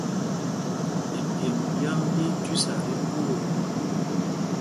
Ipyêmb ɓyā ɓí í tüsa tí mbú ɔ.